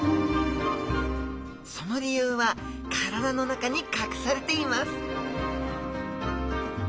その理由は体の中に隠されています！